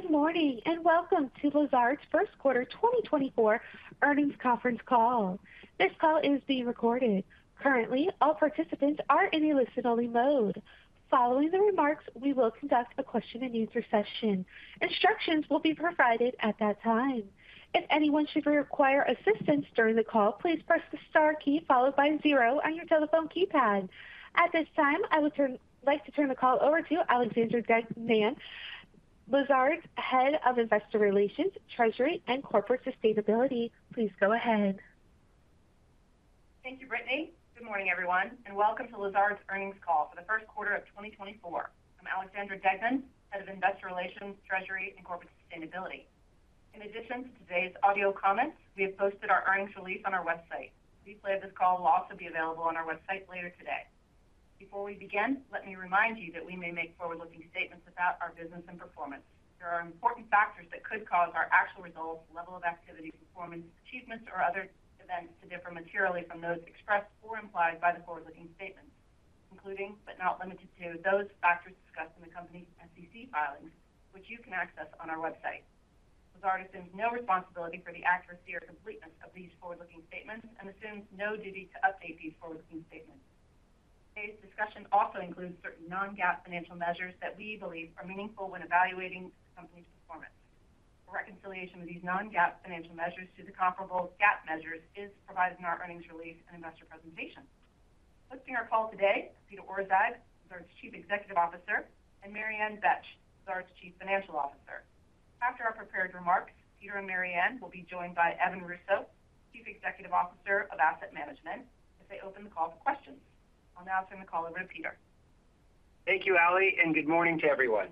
Good morning, and welcome to Lazard's first quarter 2024 earnings conference call. This call is being recorded. Currently, all participants are in a listen-only mode. Following the remarks, we will conduct a question-and-answer session. Instructions will be provided at that time. If anyone should require assistance during the call, please press the star key followed by zero on your telephone keypad. At this time, I would like to turn the call over to Alexandra Deignan, Lazard's head of investor relations, treasury, and corporate sustainability. Please go ahead. Thank you, Brittany. Good morning, everyone, and welcome to Lazard's earnings call for the first quarter of 2024. I'm Alexandra Deignan, head of investor relations, treasury, and corporate sustainability. In addition to today's audio comments, we have posted our earnings release on our website. A replay of this call will also be available on our website later today. Before we begin, let me remind you that we may make forward-looking statements regarding our business and performance. There are important factors that could cause our actual results, level of activity, performance, achievements, or other events to differ materially from those expressed or implied by the forward-looking statements, including but not limited to those factors discussed in the company's SEC filings, which you can access on our website. Lazard assumes no responsibility for the accuracy or completeness of these forward-looking statements and assumes no duty to update these forward-looking statements. Today's discussion also includes certain non-GAAP financial measures that we believe are meaningful when evaluating the company's performance. A reconciliation of these non-GAAP financial measures to the comparable GAAP measures is provided in our earnings release and investor presentation. Hosting our call today are Peter Orszag, Lazard's Chief Executive Officer, and Mary Ann Betsch, Lazard's Chief Financial Officer. After our prepared remarks, Peter and Mary Ann will be joined by Evan Russo, Chief Executive Officer of Asset Management, as they open the call for questions. I'll now turn the call over to Peter. Thank you, Ale, and good morning to everyone.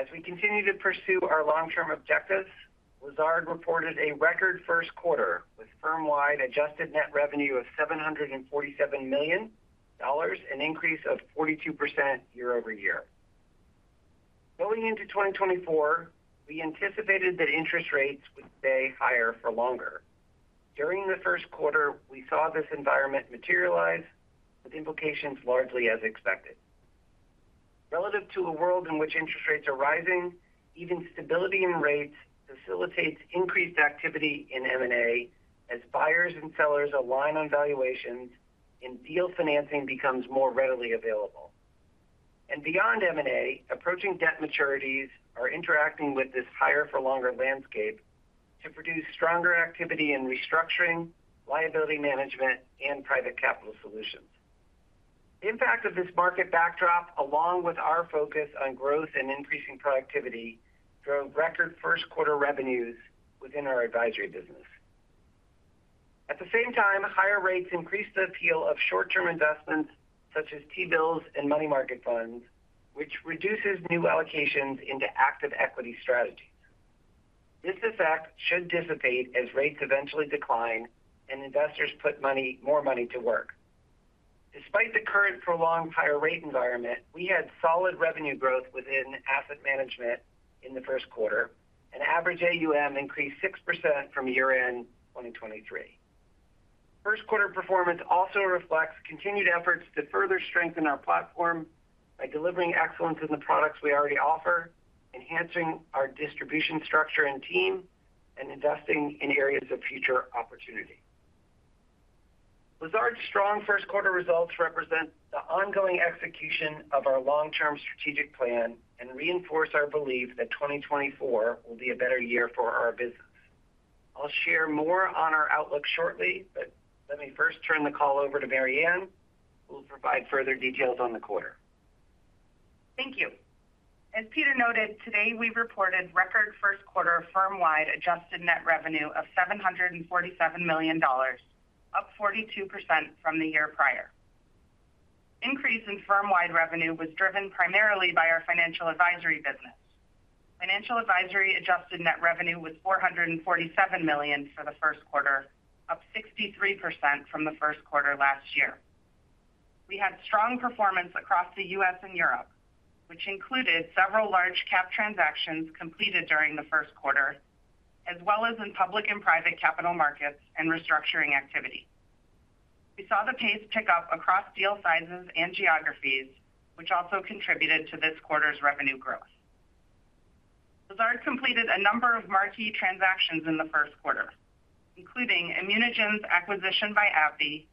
As we continue to pursue our long-term objectives, Lazard reported a record first quarter with firm-wide adjusted net revenue of $747 million, an increase of 42% year-over-year. Going into 2024, we anticipated that interest rates would stay higher for longer. During the first quarter, we saw this environment materialize with implications largely as expected. Relative to a world in which interest rates are rising, even stability in rates facilitates increased activity in M&A as buyers and sellers align on valuations and deal financing becomes more readily available. And beyond M&A, approaching debt maturities are interacting with this higher-for-longer landscape to produce stronger activity in restructuring, liability management, and private capital solutions. The impact of this market backdrop, along with our focus on growth and increasing productivity, drove record first-quarter revenues within our advisory business. At the same time, higher rates increased the appeal of short-term investments such as T-bills and money market funds, which reduces new allocations into active equity strategies. This effect should dissipate as rates eventually decline and investors put more money to work. Despite the current prolonged higher-rate environment, we had solid revenue growth within asset management in the first quarter, and average AUM increased 6% from year-end 2023. First-quarter performance also reflects continued efforts to further strengthen our platform by delivering excellence in the products we already offer, enhancing our distribution structure and team, and investing in areas of future opportunity. Lazard's strong first-quarter results represent the ongoing execution of our long-term strategic plan and reinforce our belief that 2024 will be a better year for our business. I'll share more on our outlook shortly, but let me first turn the call over to Mary Ann, who will provide further details on the quarter. Thank you. As Peter noted, today we reported record first-quarter firm-wide adjusted net revenue of $747 million, up 42% from the year prior. The increase in firm-wide revenue was driven primarily by our financial advisory business. Financial advisory adjusted net revenue was $447 million for the first quarter, up 63% from the first quarter last year. We had strong performance across the U.S. and Europe, which included several large-cap transactions completed during the first quarter, as well as in public and private capital markets and restructuring activity. We saw the pace pick up across deal sizes and geographies, which also contributed to this quarter's revenue growth. Lazard completed a number of marquee transactions in the first quarter, including ImmunoGen's acquisition by AbbVie,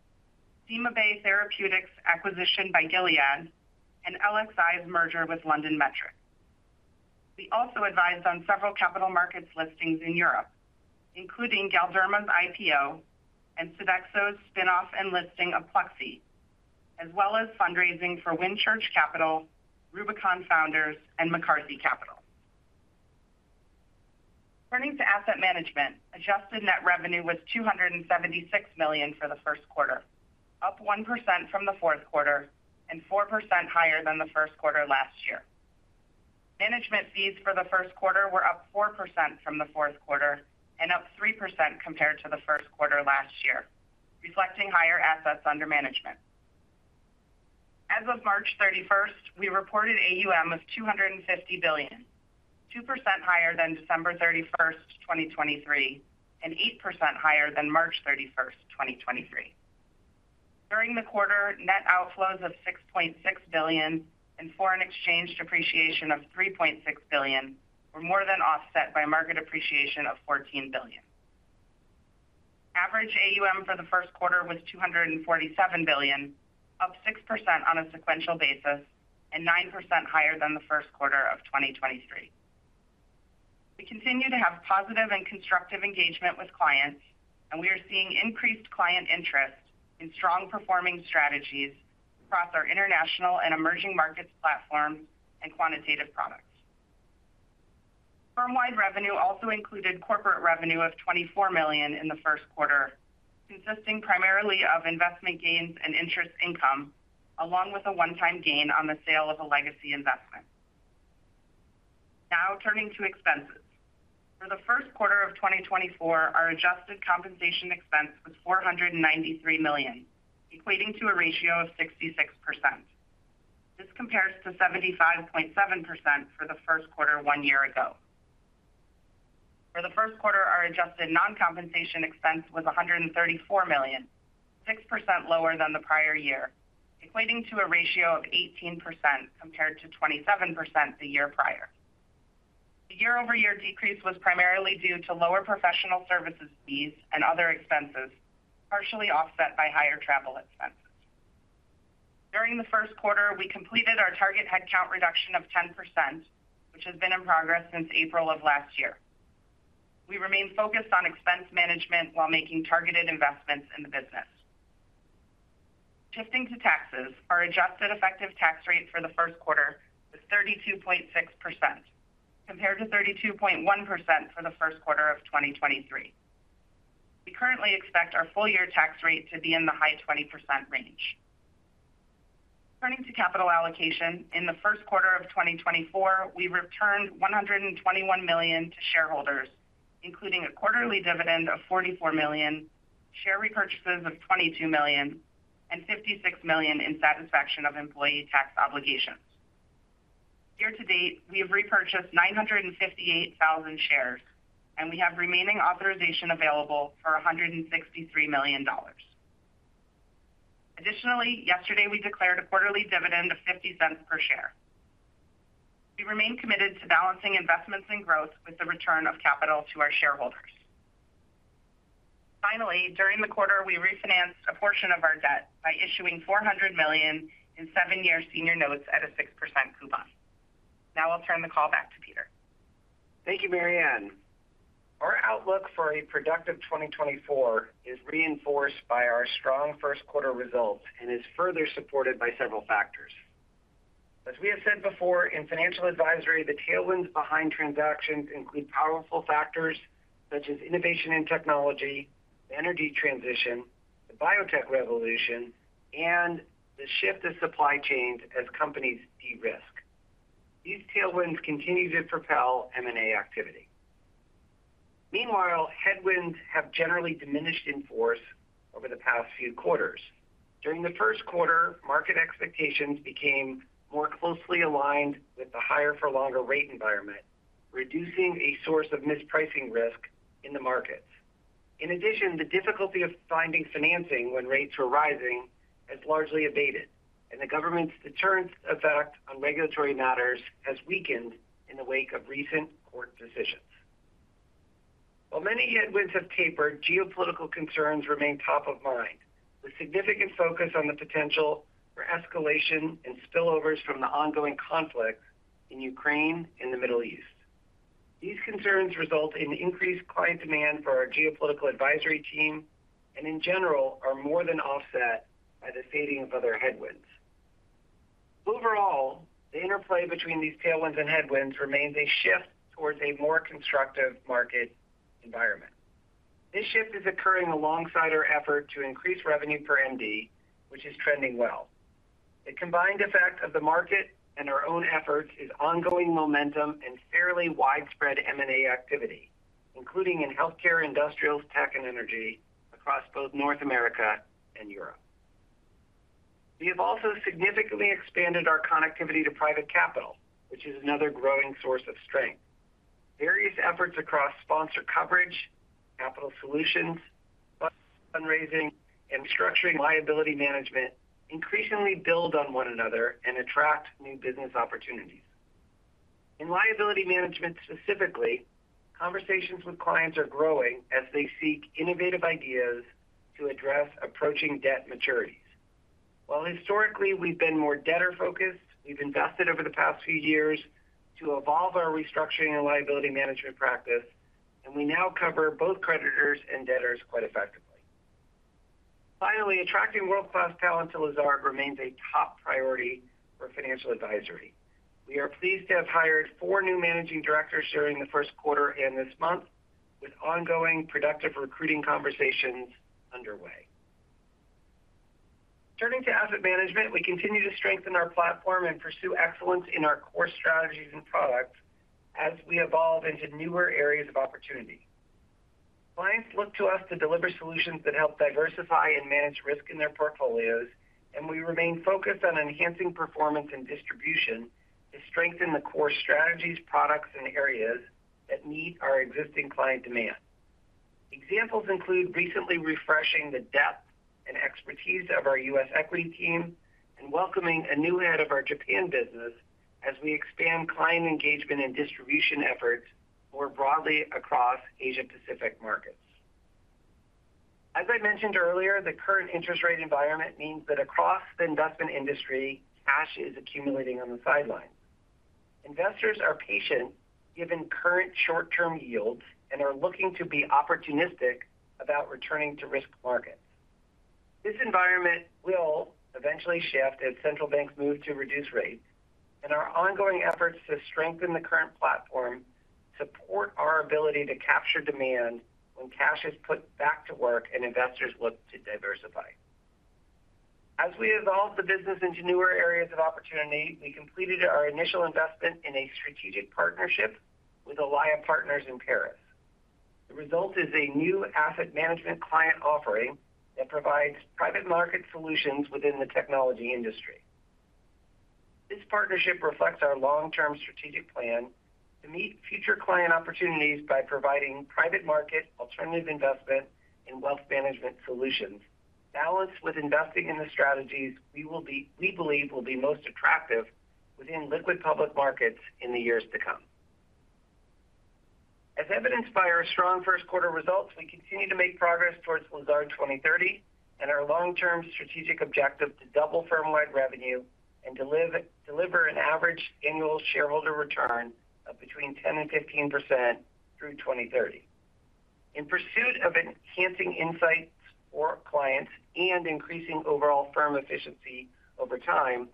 CymaBay Therapeutics' acquisition by Gilead, and LXi's merger with LondonMetric. We also advised on several capital markets listings in Europe, including Galderma's IPO and Sodexo's spinoff and listing of Pluxee, as well as fundraising for Wynnchurch Capital, Rubicon Founders, and McCarthy Capital. Turning to asset management, adjusted net revenue was $276 million for the first quarter, up 1% from the fourth quarter and 4% higher than the first quarter last year. Management fees for the first quarter were up 4% from the fourth quarter and up 3% compared to the first quarter last year, reflecting higher assets under management. As of March 31st, we reported AUM of $250 billion, 2% higher than December 31st, 2023, and 8% higher than March 31st, 2023. During the quarter, net outflows of $6.6 billion and foreign exchange depreciation of $3.6 billion were more than offset by market appreciation of $14 billion. Average AUM for the first quarter was $247 billion, up 6% on a sequential basis and 9% higher than the first quarter of 2023. We continue to have positive and constructive engagement with clients, and we are seeing increased client interest in strong-performing strategies across our international and emerging markets platforms and quantitative products. Firm-wide revenue also included corporate revenue of $24 million in the first quarter, consisting primarily of investment gains and interest income, along with a one-time gain on the sale of a legacy investment. Now turning to expenses. For the first quarter of 2024, our adjusted compensation expense was $493 million, equating to a ratio of 66%. This compares to 75.7% for the first quarter one year ago. For the first quarter, our adjusted non-compensation expense was $134 million, 6% lower than the prior year, equating to a ratio of 18% compared to 27% the year prior. The year-over-year decrease was primarily due to lower professional services fees and other expenses, partially offset by higher travel expenses. During the first quarter, we completed our target headcount reduction of 10%, which has been in progress since April of last year. We remain focused on expense management while making targeted investments in the business. Shifting to taxes, our adjusted effective tax rate for the first quarter was 32.6%, compared to 32.1% for the first quarter of 2023. We currently expect our full-year tax rate to be in the high 20% range. Turning to capital allocation, in the first quarter of 2024, we returned $121 million to shareholders, including a quarterly dividend of $44 million, share repurchases of $22 million, and $56 million in satisfaction of employee tax obligations. Year to date, we have repurchased 958,000 shares, and we have remaining authorization available for $163 million. Additionally, yesterday, we declared a quarterly dividend of $0.50 per share. We remain committed to balancing investments and growth with the return of capital to our shareholders. Finally, during the quarter, we refinanced a portion of our debt by issuing $400 million in seven-year senior notes at a 6% coupon. Now I'll turn the call back to Peter. Thank you, Mary Ann. Our outlook for a productive 2024 is reinforced by our strong first-quarter results and is further supported by several factors. As we have said before in financial advisory, the tailwinds behind transactions include powerful factors such as innovation in technology, the energy transition, the biotech revolution, and the shift of supply chains as companies de-risk. These tailwinds continue to propel M&A activity. Meanwhile, headwinds have generally diminished in force over the past few quarters. During the first quarter, market expectations became more closely aligned with the higher-for-longer rate environment, reducing a source of mispricing risk in the markets. In addition, the difficulty of finding financing when rates were rising has largely abated, and the government's deterrent effect on regulatory matters has weakened in the wake of recent court decisions. While many headwinds have tapered, geopolitical concerns remain top of mind, with significant focus on the potential for escalation and spillovers from the ongoing conflict in Ukraine and the Middle East. These concerns result in increased client demand for our geopolitical advisory team and, in general, are more than offset by the fading of other headwinds. Overall, the interplay between these tailwinds and headwinds remains a shift towards a more constructive market environment. This shift is occurring alongside our effort to increase revenue per MD, which is trending well. The combined effect of the market and our own efforts is ongoing momentum and fairly widespread M&A activity, including in healthcare, industrials, tech, and energy across both North America and Europe. We have also significantly expanded our connectivity to private capital, which is another growing source of strength. Various efforts across sponsor coverage, capital solutions, fundraising, and restructuring liability management increasingly build on one another and attract new business opportunities. In liability management specifically, conversations with clients are growing as they seek innovative ideas to address approaching debt maturities. While historically we've been more debtor-focused, we've invested over the past few years to evolve our restructuring and liability management practice, and we now cover both creditors and debtors quite effectively. Finally, attracting world-class talent to Lazard remains a top priority for financial advisory. We are pleased to have hired four new managing directors during the first quarter and this month, with ongoing productive recruiting conversations underway. Turning to asset management, we continue to strengthen our platform and pursue excellence in our core strategies and products as we evolve into newer areas of opportunity. Clients look to us to deliver solutions that help diversify and manage risk in their portfolios, and we remain focused on enhancing performance and distribution to strengthen the core strategies, products, and areas that meet our existing client demand. Examples include recently refreshing the depth and expertise of our U.S. equity team and welcoming a new head of our Japan business as we expand client engagement and distribution efforts more broadly across Asia-Pacific markets. As I mentioned earlier, the current interest rate environment means that across the investment industry, cash is accumulating on the sidelines. Investors are patient, given current short-term yields, and are looking to be opportunistic about returning to risk markets. This environment will eventually shift as central banks move to reduce rates, and our ongoing efforts to strengthen the current platform support our ability to capture demand when cash is put back to work, and investors look to diversify. As we evolve the business into newer areas of opportunity, we completed our initial investment in a strategic partnership with Elaia Partners in Paris. The result is a new asset management client offering that provides private market solutions within the technology industry. This partnership reflects our long-term strategic plan to meet future client opportunities by providing private market alternative investment and wealth management solutions, balanced with investing in the strategies we believe will be most attractive within liquid public markets in the years to come. As evidenced by our strong first-quarter results, we continue to make progress towards Lazard 2030 and our long-term strategic objective to double firm-wide revenue and deliver an average annual shareholder return of between 10% and 15% through 2030. In pursuit of enhancing insights for clients and increasing overall firm efficiency over time,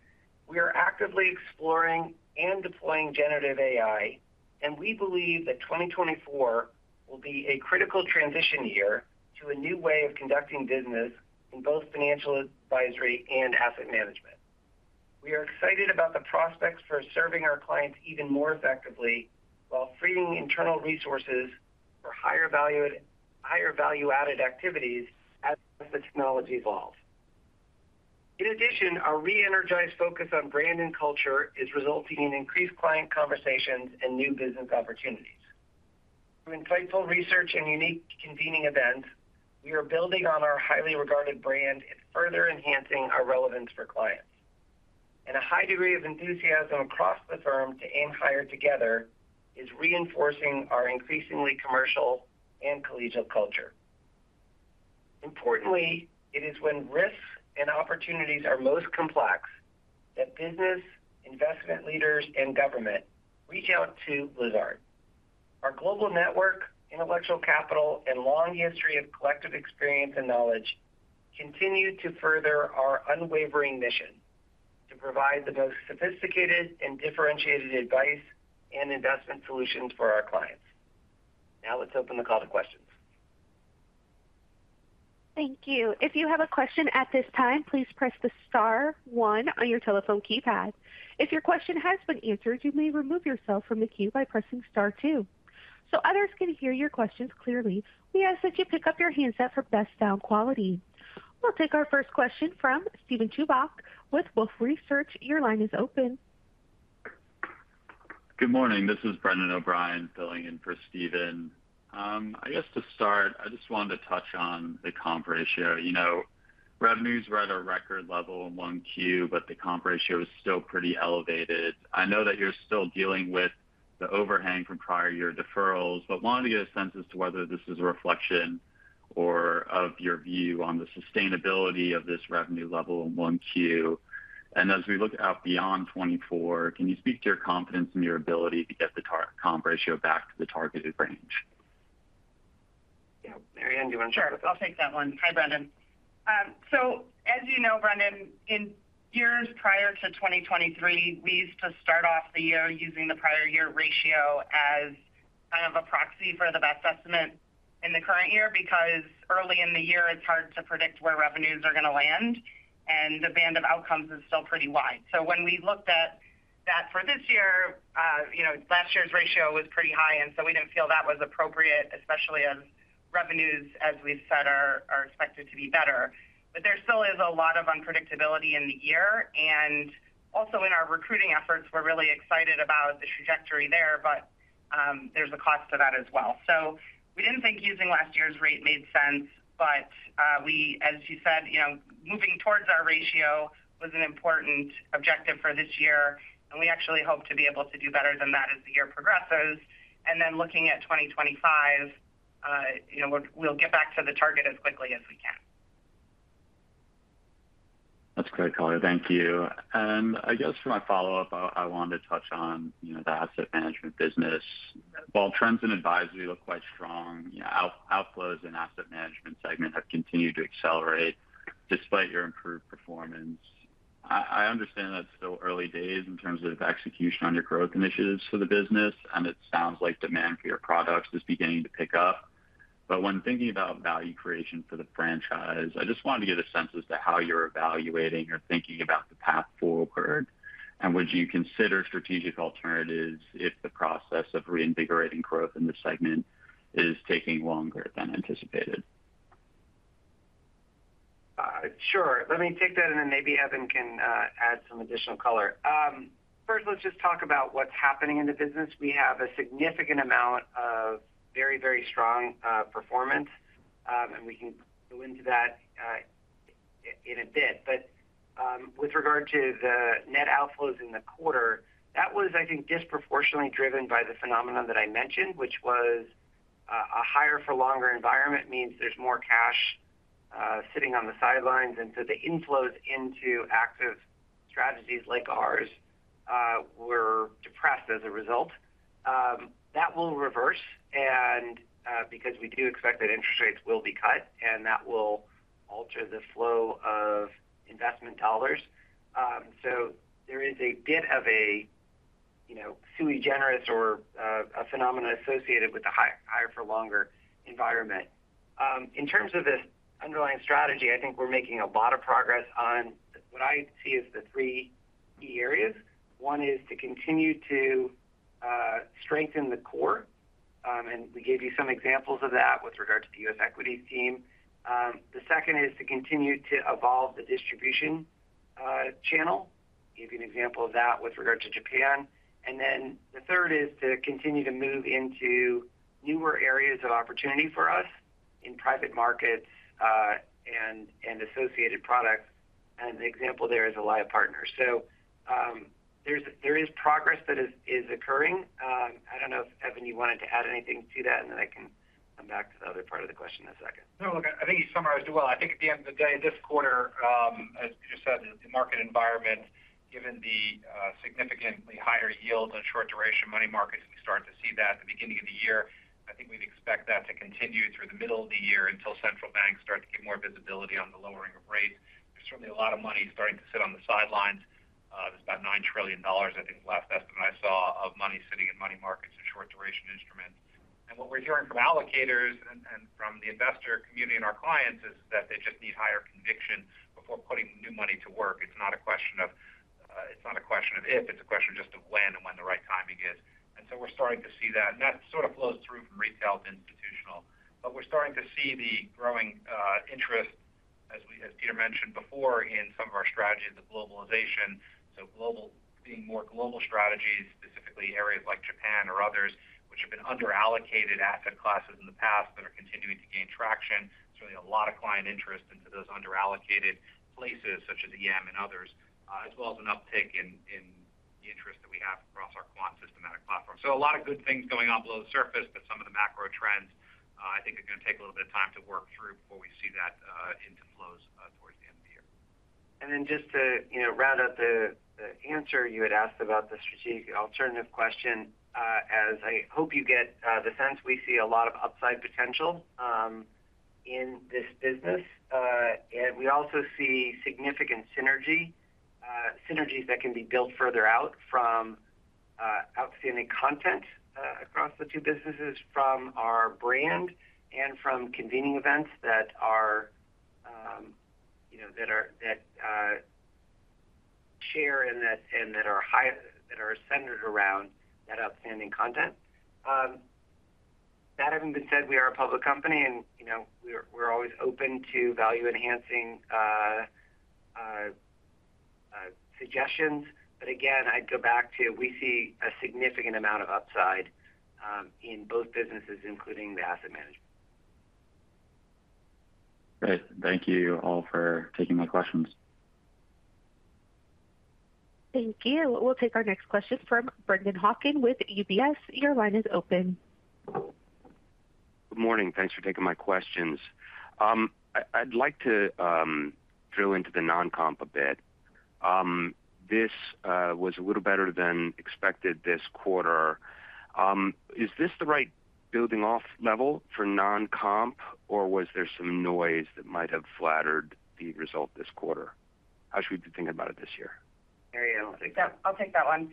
we are actively exploring and deploying generative AI, and we believe that 2024 will be a critical transition year to a new way of conducting business in both financial advisory and asset management. We are excited about the prospects for serving our clients even more effectively while freeing internal resources for higher value-added activities as the technology evolves. In addition, our re-energized focus on brand and culture is resulting in increased client conversations and new business opportunities. Through insightful research and unique convening events, we are building on our highly regarded brand and further enhancing our relevance for clients. A high degree of enthusiasm across the firm to aim higher together is reinforcing our increasingly commercial and collegial culture. Importantly, it is when risks and opportunities are most complex that business, investment leaders, and government reach out to Lazard. Our global network, intellectual capital, and long history of collective experience and knowledge continue to further our unwavering mission to provide the most sophisticated and differentiated advice and investment solutions for our clients. Now let's open the call to questions. Thank you. If you have a question at this time, please press the star one on your telephone keypad. If your question has been answered, you may remove yourself from the queue by pressing star two. So others can hear your questions clearly, we ask that you pick up your handset for the best sound quality. We'll take our first question from Steven Chubak with Wolfe Research. Your line is open. Good morning. This is Brendan O'Brien filling in for Steven. I guess to start, I just wanted to touch on the comp ratio. Revenues were at a record level in Q1, but the comp ratio is still pretty elevated. I know that you're still dealing with the overhang from prior year deferrals. I wanted to get a sense as to whether this is a reflection of your view on the sustainability of this revenue level in Q1. And as we look out beyond 2024, can you speak to your confidence in your ability to get the comp ratio back to the targeted range? Yeah. Mary Ann, do you want to share? Sure. I'll take that one. Hi, Brendan. So as you know, Brendan, in years prior to 2023, we used to start off the year using the prior year ratio as kind of a proxy for the best estimate in the current year because early in the year, it's hard to predict where revenues are going to land, and the band of outcomes is still pretty wide. So when we looked at that for this year, last year's ratio was pretty high, and so we didn't feel that was appropriate, especially as revenues, as we've said, are expected to be better. But there still is a lot of unpredictability in the year. And also in our recruiting efforts, we're really excited about the trajectory there, but there's a cost to that as well. We didn't think using last year's rate made sense, but as you said, moving towards our ratio was an important objective for this year, and we actually hope to be able to do better than that as the year progresses. Looking at 2025, we'll get back to the target as quickly as we can. That's great, Mary. Thank you. And I guess for my follow-up, I wanted to touch on the asset management business. While trends in advisory look quite strong, outflows in the asset management segment have continued to accelerate despite your improved performance. I understand that it's still early days in terms of execution on your growth initiatives for the business, and it sounds like demand for your products is beginning to pick up. But when thinking about value creation for the franchise, I just wanted to get a sense as to how you're evaluating or thinking about the path forward, and would you consider strategic alternatives if the process of reinvigorating growth in this segment is taking longer than anticipated? Sure. Let me take that, and then maybe Evan can add some additional color. First, let's just talk about what's happening in the business. We have a significant amount of very, very strong performance, and we can go into that in a bit. But about the net outflows in the quarter, that was, I think, disproportionately driven by the phenomenon that I mentioned, which was a higher-for-longer environment means there's more cash sitting on the sidelines, and so the inflows into active strategies like ours were depressed as a result. That will reverse because we do expect that interest rates will be cut, and that will alter the flow of investment dollars. So there is a bit of a sui generis or a phenomenon associated with the higher-for-longer environment. In terms of this underlying strategy, I think we're making a lot of progress on what I see as the three key areas. One is to continue to strengthen the core, and we gave you some examples of that with regard to the U.S. equities team. The second is to continue to evolve the distribution channel, gave you an example of that with regard to Japan. And then the third is to continue to move into newer areas of opportunity for us in private markets and associated products. And the example there is Elaia Partners. So there is progress that is occurring. I don't know if, Evan, you wanted to add anything to that, and then I can come back to the other part of the question in a second. No, look, I think you summarized it well. I think at the end of the day, this quarter, as you just said, the market environment, given the significantly higher yields on short-duration money markets, we start to see that at the beginning of the year. I think we'd expect that to continue through the middle of the year until central banks start to give more visibility on the lowering of rates. There's certainly a lot of money starting to sit on the sidelines. It's about $9 trillion, I think, the last estimate I saw of money sitting in money markets and short-duration instruments. And what we're hearing from allocators and from the investor community and our clients is that they just need higher conviction before putting new money to work. It's not a question of it's not a question of if. It's a question just of when and when the right timing is. And so we're starting to see that. And that sort of flows through from retail to institutional. But we're starting to see the growing interest, as Peter mentioned before, in some of our strategies, the globalization. So being more global strategies, specifically areas like Japan or others, which have been under-allocated asset classes in the past that are continuing to gain traction. Certainly, a lot of client interest into those under-allocated places such as EM and others, as well as an uptick in the interest that we have across our quant systematic platform. So a lot of good things going on below the surface, but some of the macro trends, I think, are going to take a little bit of time to work through before we see that into flows towards the end of the year. And then just to round out the answer you had asked about the strategic alternative question, as I hope you get the sense, we see a lot of upside potential in this business. And we also see significant synergies that can be built further out from outstanding content across the two businesses, from our brand, and from convening events that share and that are centered around that outstanding content. That having been said, we are a public company, and we're always open to value-enhancing suggestions. But again, I'd go back to we see a significant amount of upside in both businesses, including the asset management. Great. Thank you all for taking my questions. Thank you. We'll take our next question from Brennan Hawken with UBS. Your line is open. Good morning. Thanks for taking my questions. I'd like to drill into the non-comp a bit. This was a little better than expected this quarter. Is this the right building-off level for non-comp, or was there some noise that might have flattered the result this quarter? How should we be thinking about it this year? Mary, I'll take that one.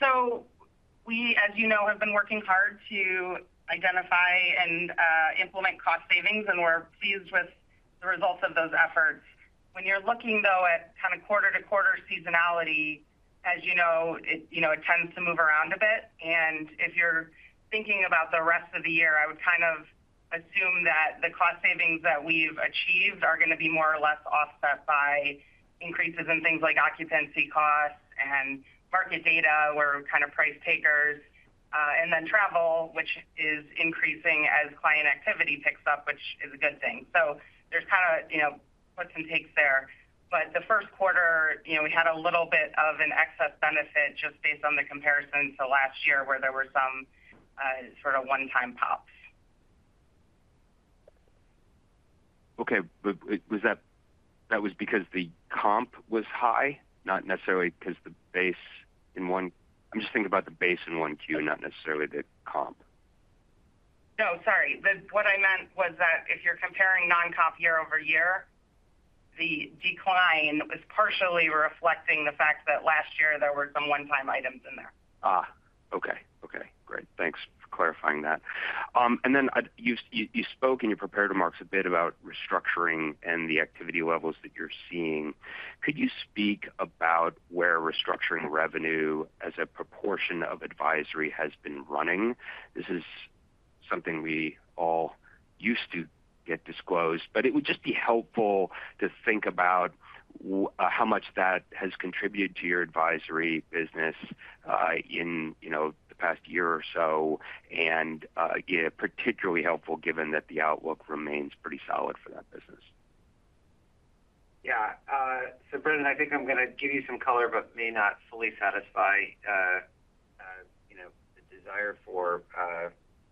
So we, as you know, have been working hard to identify and implement cost savings, and we're pleased with the results of those efforts. When you're looking, though, at kind of quarter-to-quarter seasonality, as you know, it tends to move around a bit. And if you're thinking about the rest of the year, I would kind of assume that the cost savings that we've achieved are going to be more or less offset by increases in things like occupancy costs and market data. We're kind of price-takers. And then travel, which is increasing as client activity picks up, which is a good thing. So there's kind of puts and takes there. But the first quarter, we had a little bit of an excess benefit just based on the comparison to last year where there were some sort of one-time pops. Okay. But was that because the comp was high, not necessarily because the base in Q1. I'm just thinking about the base in Q1, not necessarily the comp. No, sorry. What I meant was that if you're comparing non-comp year-over-year, the decline was partially reflecting the fact that last year there were some one-time items in there. Okay. Okay. Great. Thanks for clarifying that. And then you spoke in your prepared remarks a bit about restructuring and the activity levels that you're seeing. Could you speak about where restructuring revenue as a proportion of advisory has been running? This is something we all used to get disclosed, but it would just be helpful to think about how much that has contributed to your advisory business in the past year or so, and particularly helpful given that the outlook remains pretty solid for that business. Yeah. So, Brennan, I think I'm going to give you some color but may not fully satisfy the desire for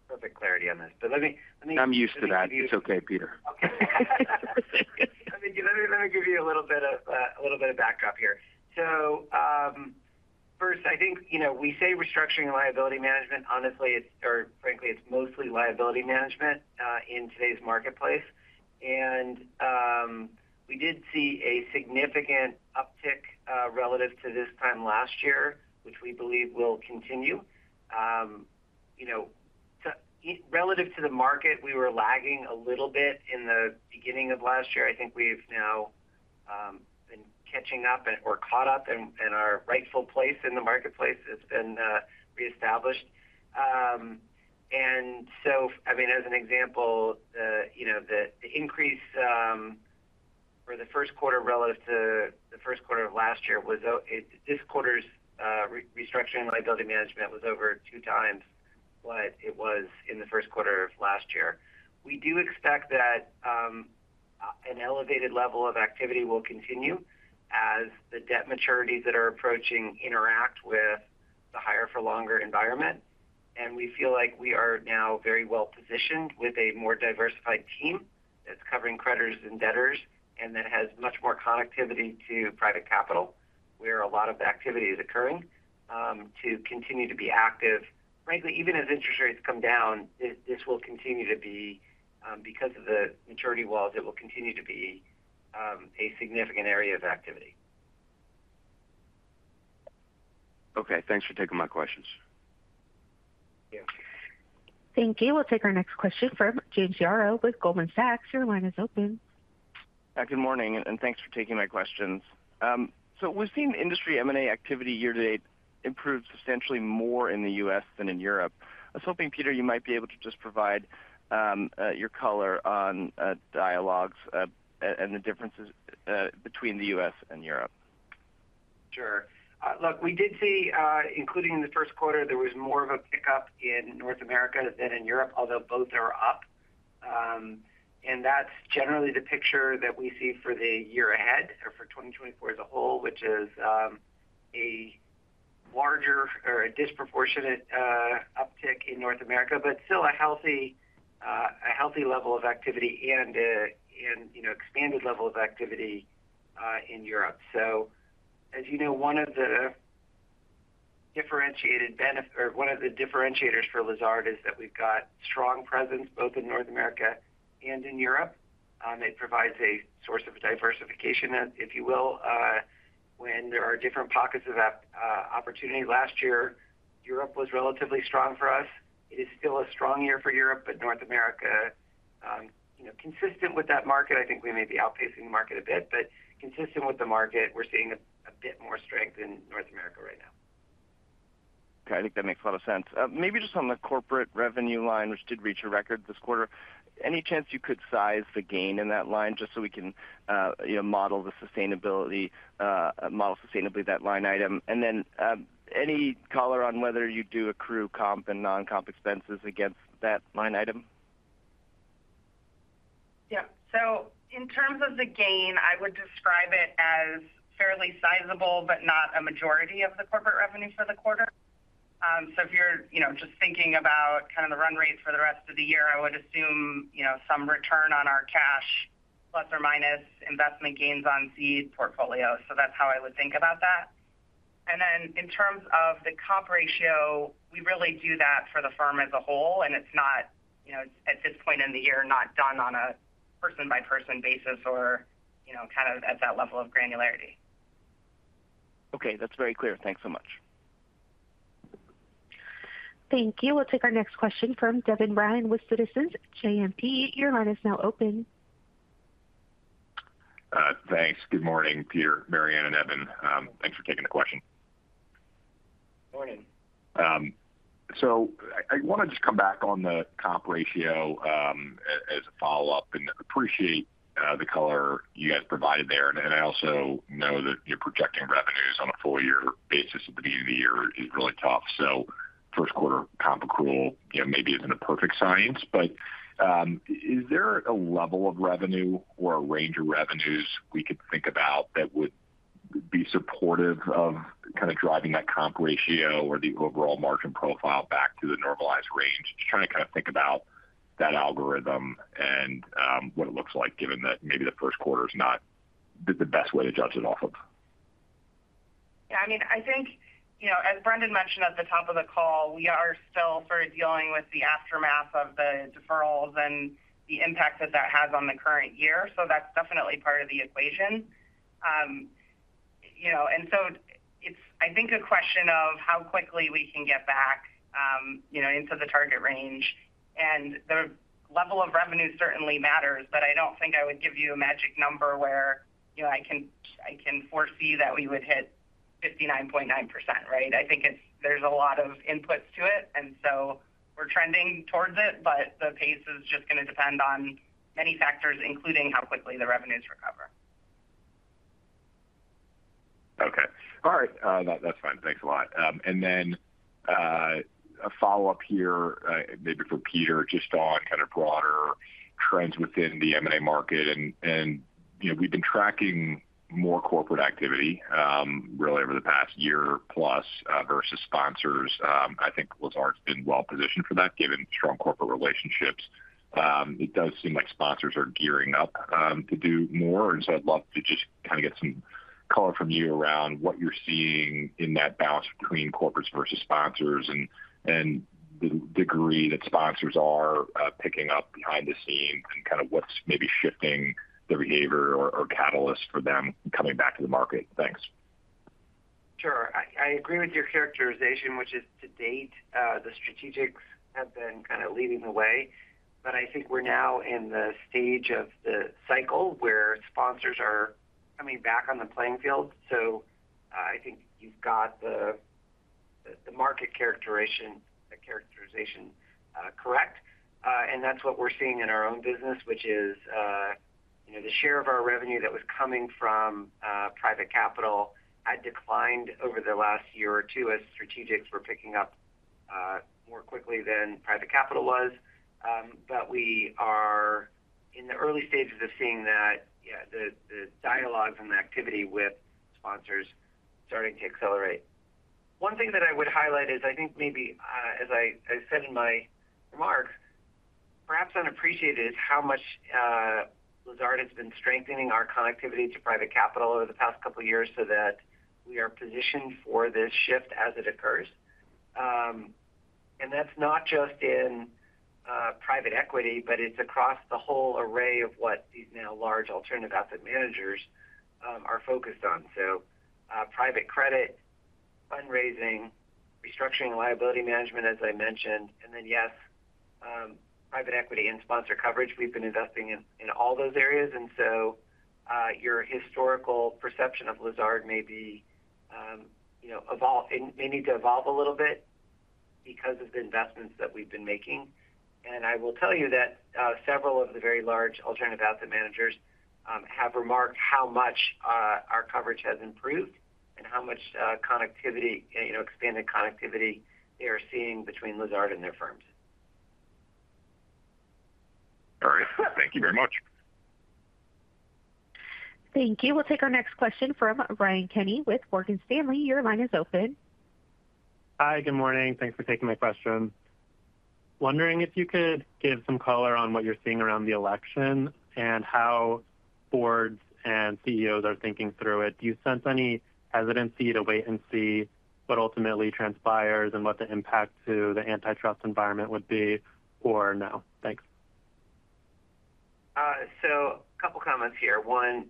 perfect clarity on this. But let me. I'm used to that. It's okay, Peter. Okay. I mean, let me give you a little bit of a backdrop here. So first, I think we say restructuring and liability management. Honestly, or frankly, it's mostly liability management in today's marketplace. And we did see a significant uptick relative to this time last year, which we believe will continue. Relative to the market, we were lagging a little bit in the beginning of last year. I think we've now been catching up or caught up, and our rightful place in the marketplace has been reestablished. And so, I mean, as an example, the increase for the first quarter relative to the first quarter of last year was. This quarter's restructuring and liability management was over 2x what it was in the first quarter of last year. We do expect that an elevated level of activity will continue as the debt maturities that are approaching interact with the higher-for-longer environment. We feel like we are now very well positioned with a more diversified team that's covering creditors and debtors and that has much more connectivity to private capital where a lot of the activity is occurring, to continue to be active. Frankly, even as interest rates come down, this will continue to be because of the maturity walls. It will continue to be a significant area of activity. Okay. Thanks for taking my questions. Thank you. Thank you. We'll take our next question from James Yaro with Goldman Sachs. Your line is open. Good morning, and thanks for taking my questions. We've seen industry M&A activity year to date improve substantially more in the U.S. than in Europe. I was hoping, Peter, you might be able to just provide your color on dialogues and the differences between the U.S. and Europe. Sure. Look, we did see, including in the first quarter, there was more of a pickup in North America than in Europe, although both are up. And that's generally the picture that we see for the year ahead or for 2024 as a whole, which is a larger or disproportionate uptick in North America, but still a healthy level of activity and an expanded level of activity in Europe. So, as you know, one of the differentiated benefits or one of the differentiators for Lazard is that we've got a strong presence both in North America and in Europe. It provides a source of diversification, if you will, when there are different pockets of opportunity. Last year, Europe was relatively strong for us. It is still a strong year for Europe, but in North America, consistent with that market, I think we may be outpacing the market a bit, but consistent with the market, we're seeing a bit more strength in North America right now. Okay. I think that makes a lot of sense. Maybe just on the corporate revenue line, which did reach a record this quarter, any chance you could size the gain in that line just so we can model the sustainability model sustainably that line item? And then any color on whether you do accrue comp and non-comp expenses against that line item? Yep. So in terms of the gain, I would describe it as fairly sizable but not a majority of the corporate revenue for the quarter. So if you're just thinking about kind of the run rates for the rest of the year, I would assume some return on our cash, plus or minus investment gains on seed portfolio. So that's how I would think about that. And then in terms of the comp ratio, we really do that for the firm as a whole, and it's not, at this point in the year, not done on a person-by-person basis or kind of at that level of granularity. Okay. That's very clear. Thanks so much. Thank you. We'll take our next question from Devin Ryan with Citizens JMP. Your line is now open. Thanks. Good morning, Peter, Mary Ann, and Evan. Thanks for taking the question. Good morning. So I want to just come back on the comp ratio as a follow-up and appreciate the color you guys provided there. And I also know that projecting revenues on a full-year basis at the beginning of the year is really tough. So, first-quarter comp accrual maybe isn't a perfect science, but is there a level of revenue or a range of revenues we could think about that would be supportive of kind of driving that comp ratio or the overall margin profile back to the normalized range? Just trying to kind of think about that algorithm and what it looks like given that maybe the first quarter is not the best way to judge it off of. Yeah. I mean, I think, as Brendan mentioned at the top of the call, we are still sort of dealing with the aftermath of the deferrals and the impact that that has on the current year. That's definitely part of the equation. It's, I think, a question of how quickly we can get back into the target range. The level of revenue certainly matters, but I don't think I would give you a magic number where I can foresee that we would hit 59.9%, right? I think there's a lot of inputs to it, and so we're trending towards it, but the pace is just going to depend on many factors, including how quickly the revenues recover. Okay. All right. That's fine. Thanks a lot. And then a follow-up here, maybe for Peter, just on kind of broader trends within the M&A market. And we've been tracking more corporate activity, really, over the past year-plus versus sponsors. I think Lazard's been well-positioned for that given strong corporate relationships. It does seem like sponsors are gearing up to do more. And so I'd love to just kind of get some color from you around what you're seeing in that balance between corporates versus sponsors and the degree that sponsors are picking up behind the scenes, and kind of what's maybe shifting the behavior or catalyst for them coming back to the market. Thanks. Sure. I agree with your characterization, which is to date, the strategics have been kind of leading the way. But I think we're now in the stage of the cycle where sponsors are coming back on the playing field. So I think you've got the market characterization correct. And that's what we're seeing in our own business, which is the share of our revenue that was coming from private capital had declined over the last year or two as strategics were picking up more quickly than private capital was. But we are in the early stages of seeing that the dialogues and the activity with sponsors are starting to accelerate. One thing that I would highlight is I think maybe, as I said in my remarks, perhaps unappreciated is how much Lazard has been strengthening our connectivity to private capital over the past couple of years, so that we are positioned for this shift as it occurs. That's not just in private equity, but it's across the whole array of what these now large alternative asset managers are focused on. So private credit, fundraising, restructuring and liability management, as I mentioned, and then, yes, private equity and sponsor coverage. We've been investing in all those areas. And so your historical perception of Lazard may need to evolve a little bit because of the investments that we've been making. I will tell you that several of the very large alternative asset managers have remarked how much our coverage has improved and how much expanded connectivity they are seeing between Lazard and their firms. All right. Thank you very much. Thank you. We'll take our next question from Ryan Kenny with Morgan Stanley. Your line is open. Hi. Good morning. Thanks for taking my question. Wondering if you could give some color on what you're seeing around the election and how boards and CEOs are thinking through it. Do you sense any hesitancy to wait and see what ultimately transpires and what the impact to the antitrust environment would be, or no? Thanks. So a couple of comments here. One,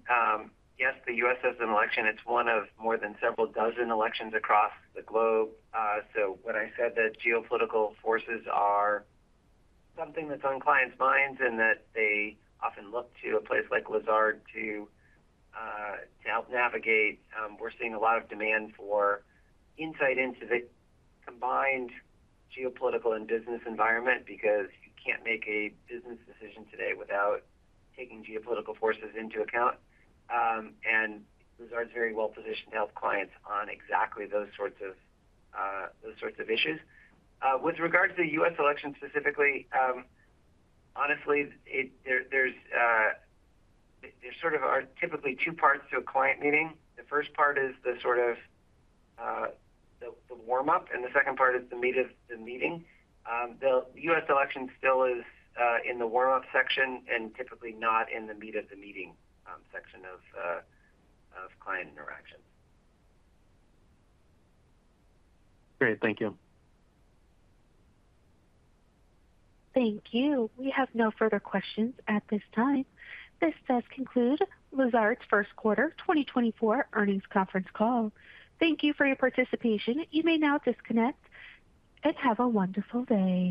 yes, the U.S. has an election. It's one of more than several dozen elections across the globe. So when I said that geopolitical forces are something that's on clients' minds and that they often look to a place like Lazard to help navigate, we're seeing a lot of demand for insight into the combined geopolitical and business environment because you can't make a business decision today without taking geopolitical forces into account. And Lazard's very well-positioned to help clients on exactly those sorts of issues. With regards to the U.S. election specifically, honestly, there sort of are typically two parts to a client meeting. The first part is the sort of warm-up, and the second part is the meat of the meeting. The U.S. election still is in the warm-up section and typically not in the meat of the meeting section of client interactions. Great. Thank you. Thank you. We have no further questions at this time. This does conclude Lazard's first quarter 2024 earnings conference call. Thank you for your participation. You may now disconnect and have a wonderful day.